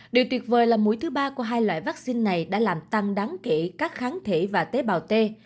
điều tuyệt vời là mũi thứ ba của hai loại vaccine này đã làm tăng đáng kể các kháng thể và tế bào t